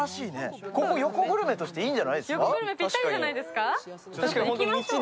ここ、横グルメとしていいんじゃないですか。